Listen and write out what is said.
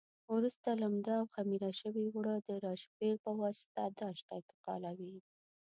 وروسته لمد او خمېره شوي اوړه د راشپېل په واسطه داش ته انتقالوي.